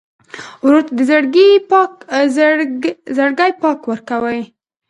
ورور ته د زړګي پاکي ورکوې.